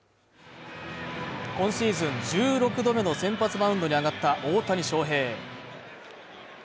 今シーズン１６度目の先発マウンドに上がった大谷翔平